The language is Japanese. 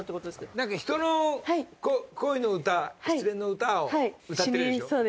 なんか人の恋の歌失恋の歌を歌ってるでしょう？